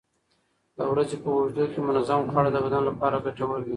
د ورځې په اوږدو کې منظم خواړه د بدن لپاره ګټور دي.